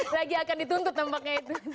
lagi akan dituntut nampaknya itu